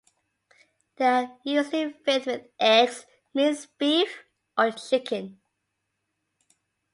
They are usually filled with eggs, minced beef or chicken.